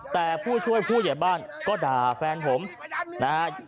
แต่ผู้ช่วยผู้ใหญ่บ้านก็ด่าแฟนผมนะฮะ